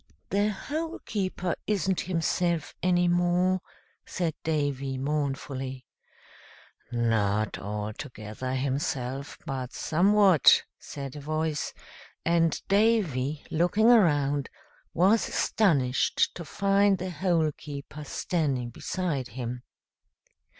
"The Hole keeper isn't himself any more," said Davy, mournfully. "Not altogether himself, but somewhat," said a voice; and Davy, looking around, was astonished to find the Hole keeper standing beside him.